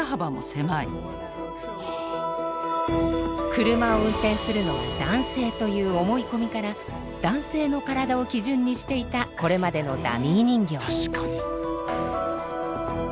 車を運転するのは男性という思い込みから男性の体を基準にしていたこれまでのダミー人形。